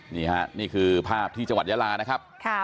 นี่ค่ะนี่คือภาพที่จังหวัดยาลานะครับ